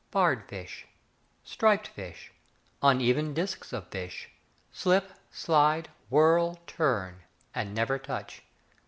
Barred fish, Striped fish, Uneven disks of fish, Slip, slide, whirl, turn, And never touch.